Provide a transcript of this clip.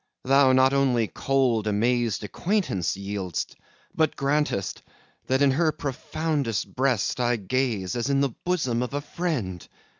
Thou Not only cold, amazed acquaintance yield'st, But grantest, that in her profoundest breast I gaze, as in the bosom of a friend.